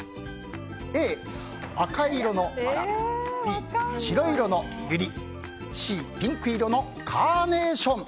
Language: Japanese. Ａ、赤色のバラＢ、白色のユリＣ、ピンク色のカーネーション。